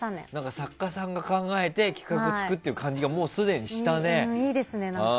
作家さんが考えて企画を作ってという感じがもう、すでにしたね！